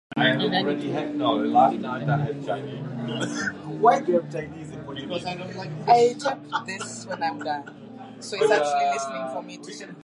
He was replaced on Broadway by former ensemble member and Moritz understudy Gerard Canonico.